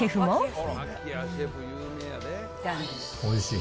おいしい。